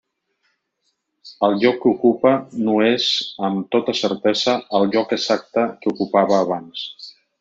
El lloc que ocupa, no és amb tota certesa el lloc exacte que ocupava abans.